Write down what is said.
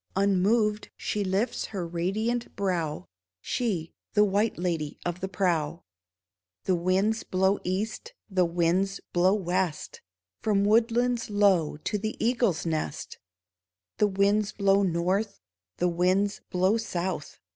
Unmoved she lifts her radiant brow — She, the White Lady of the Prow ! The winds blow east, the winds blow west, From woodlands low to the eagle's nest ; The winds blow north, the winds blow south.